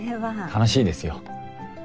楽しいですよ。